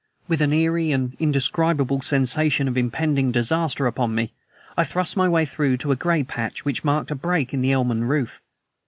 With an eerie and indescribable sensation of impending disaster upon me, I thrust my way through to a gray patch which marked a break in the elmen roof.